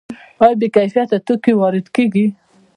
آیا بې کیفیته توکي وارد کیږي؟